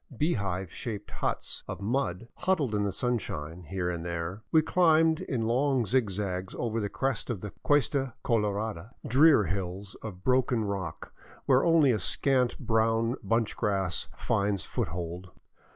Beehive shaped huts of mud huddled in the sunshine here and there. We climbed in long zigzags over the crest of the Cuesta Colorada, drear hills of broken rock where only a scant brown bunch grass finds foothold.